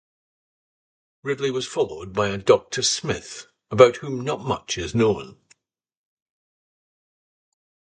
Ridley was followed by a Doctor Smith, about whom not much is known.